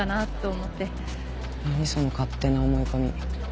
その勝手な思い込み。